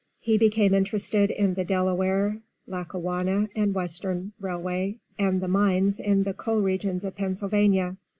He became interested in the Delaware, Lackawanna & Western railway, and the mines in the coal regions of Pennsylvania.